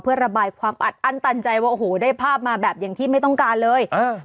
เพื่อระบายความอัดอั้นตันใจว่าโอ้โหได้ภาพมาแบบอย่างที่ไม่ต้องการเลยเออ